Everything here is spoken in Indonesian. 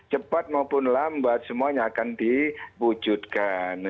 cepat maupun lambat semuanya akan diwujudkan